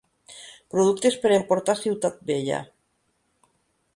Productes per emportar a Ciutat Vella.